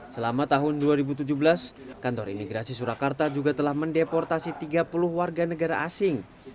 selama tahun dua ribu tujuh belas kantor imigrasi surakarta juga telah mendeportasi tiga puluh warga negara asing